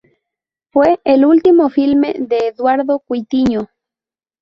Fue el último filme de Eduardo Cuitiño.